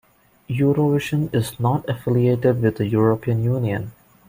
Eurovision is not affiliated with the European Union.